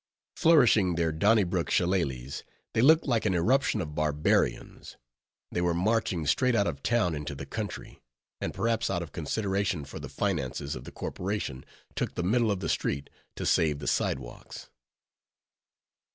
Flourishing their Donnybrook shillelahs, they looked like an irruption of barbarians. They were marching straight out of town into the country; and perhaps out of consideration for the finances of the corporation, took the middle of the street, to save the side walks.